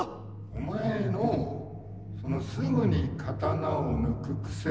⁉お前のそのすぐに刀を抜く癖よくないね。